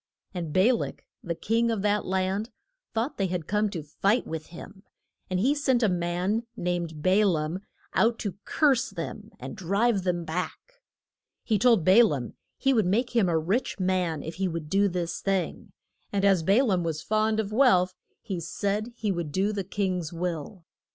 And Ba lak, the king of that land, thought they had come to fight with him, and he sent a man named Ba laam out to curse them and drive them back. He told Ba laam he would make him a rich man if he would do this thing, and as Ba laam was fond of wealth he said he would do the king's will.